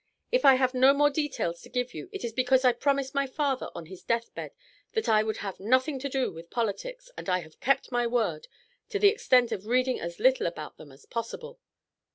If I have no more details to give you, it is because I promised my father on his death bed that I would have nothing to do with politics, and I have kept my word to the extent of reading as little about them as possible.